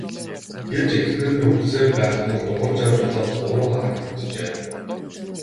гэж эхнэр нь үглэсээр байх тул Дугаржав жолооч буруу харан хэвтжээ.